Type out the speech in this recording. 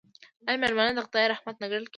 آیا میلمه د خدای رحمت نه ګڼل کیږي؟